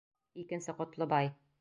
Икенсе Ҡотлобай!..